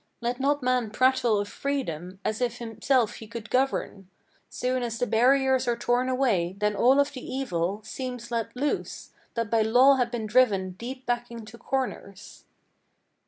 Let not man prattle of freedom, as if himself he could govern! Soon as the barriers are torn away, then all of the evil Seems let loose, that by law had been driven deep back into corners."